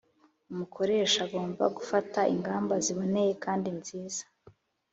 Umukoresha agomba gufata ingamba ziboneye kandi nziza